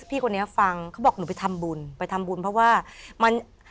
พี่คนนี้ฟังเขาบอกหนูไปทำบุญไปทำบุญเพราะว่ามัน